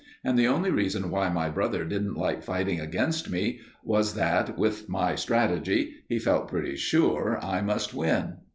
And the only reason why my brother didn't like fighting against me was that, with my strategy, he felt pretty sure I must win.